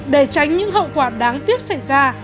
để tránh những hậu quả đáng tiếc xảy ra